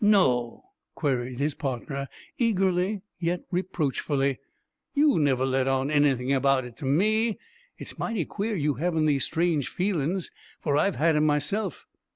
"No?" queried his partner eagerly yet reproachfully. "You never let on anything about it to me! It's mighty queer you havin' these strange feelin's, for I've had 'em myself.